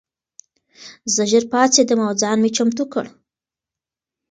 زه ژر پاڅېدم او ځان مې چمتو کړ.